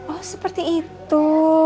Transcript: oh seperti itu